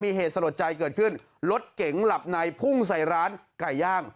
มีเหตุสลดใจเกิดขึ้นรถเก๋งหลับในพุ่งใส่ร้านไก่ย่าง